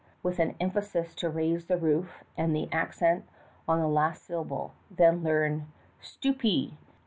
with an emphasis to raise the roof and the accent on the last syllable; then learn "vStupie.